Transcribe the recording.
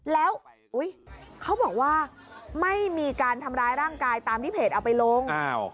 แล้วเขาบอกว่าไม่มีการทำร้ายร่างกายตามที่เพจเอาไปลง